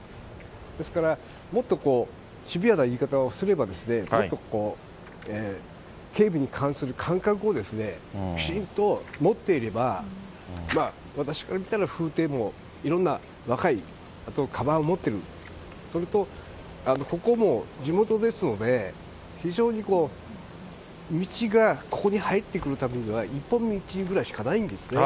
ですから、もっとシビアな言い方をすればですね、もっと、警備に関する感覚をきちんと持っていれば、私から見たら、風体も、いろんな若い、あとかばんを持ってる、それと、ここも地元ですので、非常に道がここに入ってくるためには、一本道ぐらいしかないんですね。